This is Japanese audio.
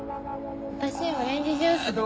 私オレンジジュースで。